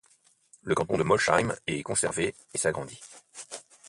Le canton de Molsheim est conservé et s'agrandit.